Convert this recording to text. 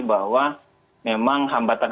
bahwa memang hambatan